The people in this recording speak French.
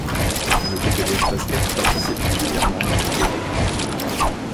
À noter que Liège Basket participe régulièrement à la coupe d'Europe.